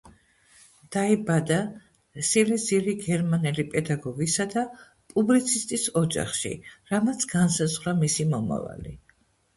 დაიბადა სილეზიელი გერმანელი პედაგოგისა და პუბლიცისტის ოჯახში, რამაც განსაზღვრა მისი მომავალი.